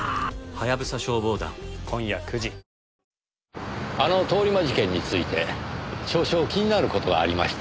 お試し容量もあの通り魔事件について少々気になる事がありまして。